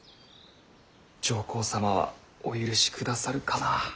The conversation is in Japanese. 上皇様はお許しくださるかな。